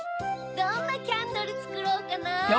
どんなキャンドルつくろうかな。